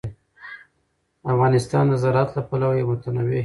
افغانستان د زراعت له پلوه یو متنوع هېواد دی.